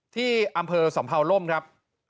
ที่อำเภอสำเภาล่มครับ